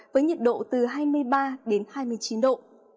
với nhiệt độ từ hai mươi ba đến hai mươi chín độ